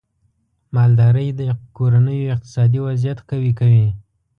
مالدارۍ د کورنیو اقتصادي وضعیت قوي کوي.